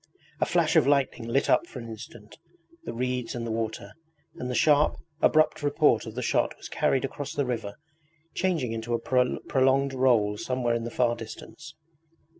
A flash of lightning lit up for an instant the reeds and the water, and the sharp, abrupt report of the shot was carried across the river, changing into a prolonged roll somewhere in the far distance.